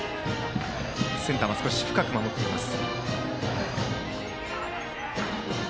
センターは少し深く守っています。